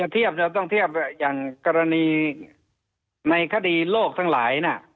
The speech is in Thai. แต่ต้องเทียบอย่างกรณีในคดีโลกทั้งหลายนะ